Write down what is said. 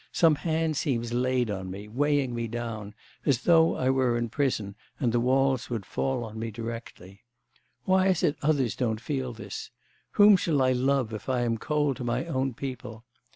Some hand seems laid on me, weighing me down, as though I were in prison, and the walls would fall on me directly. Why is it others don't feel this? Whom shall I love, if I am cold to my own people?